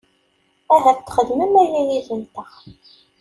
Ahat txedmem aya yid-nteɣ.